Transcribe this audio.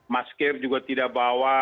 maskir juga tidak bawa